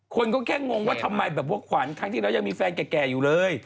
คนก็แค่งงว่าทำไมแบบว่าขวัญครั้งที่แล้วยังมีแฟนแก่อยู่เลย